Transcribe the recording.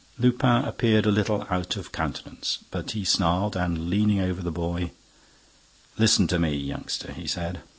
Lupin appeared a little out of countenance, but he snarled and, leaning over the boy: "Listen to me, youngster," he said.